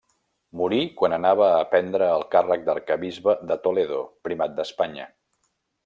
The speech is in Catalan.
Morí quan anava a prendre el càrrec d'Arquebisbe de Toledo, primat d'Espanya.